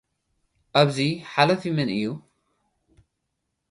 ኣብዚ፡ ሓላፊ መን እዩ?